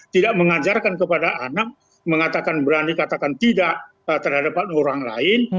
tidak mengajarkan kepada anak mengatakan berani katakan tidak terhadap orang lain